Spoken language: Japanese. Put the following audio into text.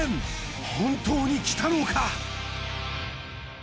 本当に来たのか！？